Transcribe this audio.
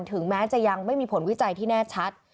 ถึงแม้จะยังไม่มีผลวิจัยที่แน่ชัด